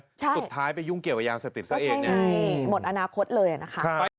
สุดท้ายไปยุ่งเกี่ยวกับยาเสพติดซะเองเนี่ยหมดอนาคตเลยนะคะ